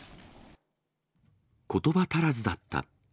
ことば足らずだった。